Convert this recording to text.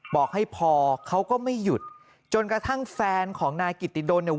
บอกให้พอเขาก็ไม่หยุดจนกระทั่งแฟนของนายกิติดนเนี่ย